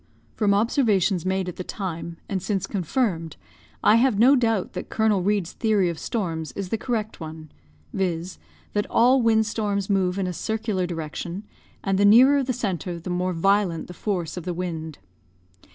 From observations made at the time, and since confirmed, I have no doubt that Colonel Reid's theory of storms is the correct one, viz., that all wind storms move in a circular direction, and the nearer the centre the more violent the force of the wind.